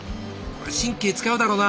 これ神経使うだろうな。